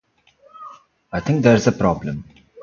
I think there's a problem.